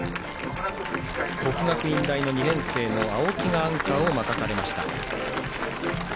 国学院大の２年生の青木がアンカーを任されました。